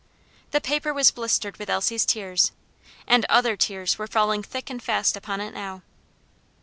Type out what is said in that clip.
The paper was blistered with Elsie's tears, and other tears were falling thick and fast upon it now.